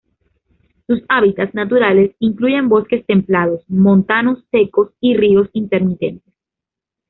Sus hábitats naturales incluyen bosques templados, montanos secos y ríos intermitentes.